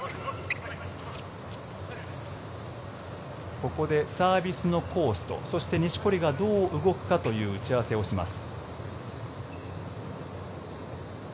ここでサービスのコースと錦織がどう動くかの打ち合わせをします。